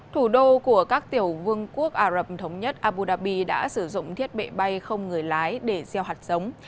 thủ đô của các tiểu vương quốc ả rập thống nhất abu dhabi đã sử dụng thiết bị bay không người lái để gieo hạt sống